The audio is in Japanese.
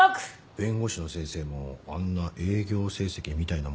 弁護士の先生もあんな営業成績みたいなものがあるんですね。